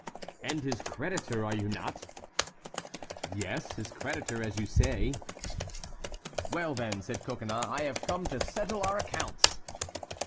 "And his creditor, are you not?" "Yes; his creditor, as you say." "Well, then," said Coconnas, "I have come to settle our accounts."